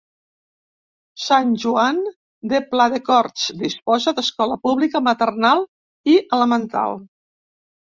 Sant Joan de Pladecorts disposa d'escola pública maternal i elemental.